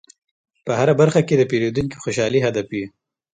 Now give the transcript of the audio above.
په هره برخه کې د پیرودونکي خوشحالي هدف وي.